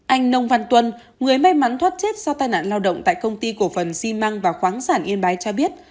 anh nông văn tuân người may mắn thoát chết do tai nạn lao động tại công ty cổ phần xi măng và khoáng sản yên bái cho biết